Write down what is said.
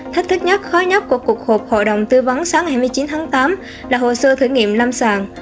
thách thức nhất khó nhất của cuộc hộp hội đồng tư vấn sáng hai mươi chín tháng tám là hồ sơ thử nghiệm lâm sàng